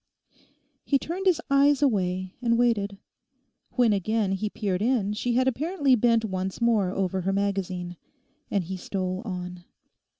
He turned his eyes away and waited. When again he peered in she had apparently bent once more over her magazine, and he stole on.